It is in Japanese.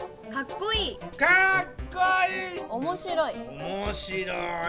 「おもしろい」。